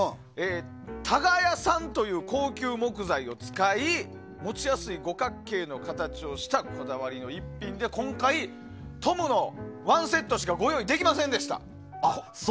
タガヤサンという高級木材を使い持ちやすい五角形の形をしたこだわりの逸品で今回はトムのワンセットしかご用意できませんでした。